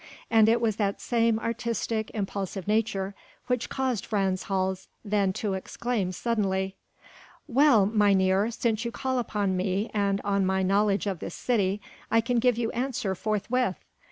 And it was that same artistic, impulsive nature which caused Frans Hals then to exclaim suddenly: "Well, mynheer! since you call upon me and on my knowledge of this city, I can give you answer forthwith.